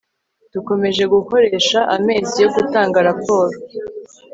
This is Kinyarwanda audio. dukomeje gukoresha amezi yo gutanga raporo